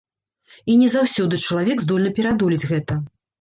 І не заўсёды чалавек здольны пераадолець гэта.